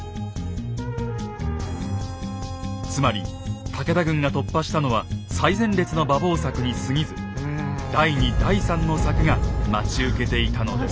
つまり武田軍が突破したのは最前列の馬防柵にすぎず第２第３の柵が待ち受けていたのです。